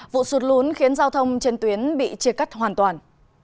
vụ sụt lún khiến giao thông trên tuyến bị chia cắt hoàn toàn